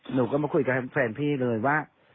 หนูก็มาคุยกับแฟนพี่เลยว่า